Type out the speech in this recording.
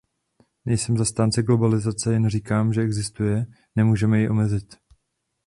Nejsem zastánce globalizace, jen říkám, že existuje, nemůžeme ji omezit.